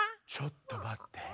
ちょっとまって。